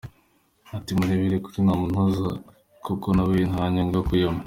Ati “Murebere kuri Ntamunoza kuko na we nta nyungu akuyemo.